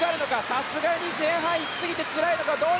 さすがに前半行きすぎてつらいのか。